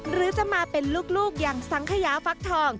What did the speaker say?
หรือจะมาเป็นลูกอย่างสังขยาฟักทอง